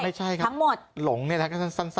ไม่ใช่ครับหลงนี่แหละก็สั้น